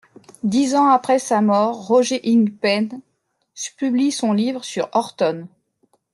Dix ans après sa mort, Roger Ingpen publie son livre sur Horton.